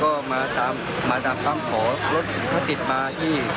ก็มาตามของรถพลังติดมาที่